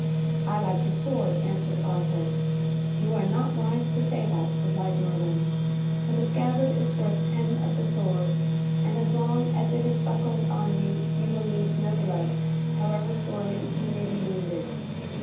"I like the sword," answered Arthur. "You are not wise to say that," replied Merlin, "for the scabbard is worth ten of the sword, and as long as it is buckled on you you will lose no blood, however sorely you may be wounded."